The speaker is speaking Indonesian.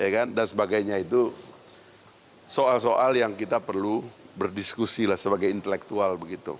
dan sebagainya itu soal soal yang kita perlu berdiskusi sebagai intelektual